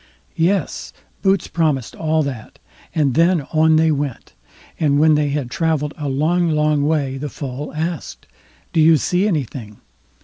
Yes! Boots promised all that, and then on they went. And when they had travelled a long long way, the Foal asked: "Do you see anything?"